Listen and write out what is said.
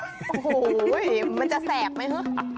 โอ้โหมันจะแสบไหมฮะ